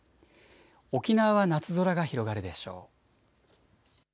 沖縄は夏空が広がるでしょう。